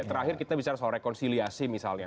terakhir kita bicara soal rekonsiliasi misalnya